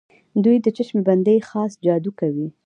دوی د چشم بندۍ خاص جادو کوي.